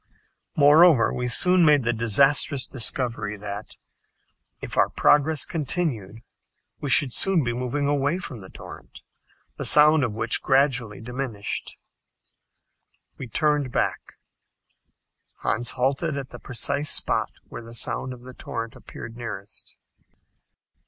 Moreover, we soon made the disastrous discovery that, if our progress continued, we should soon be moving away from the torrent, the sound of which gradually diminished. We turned back. Hans halted at the precise spot where the sound of the torrent appeared nearest.